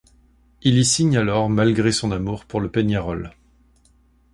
Il y signe alors malgré son amour pour le Peñarol.